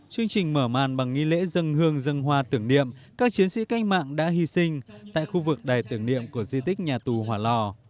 chương trình mở màn bằng nghi lễ dân hương dân hoa tưởng niệm các chiến sĩ canh mạng đã hy sinh tại khu vực đài tưởng niệm của di tích nhà tù hỏa lò